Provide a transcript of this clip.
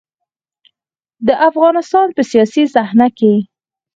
د افغانستان په سياسي صحنه کې.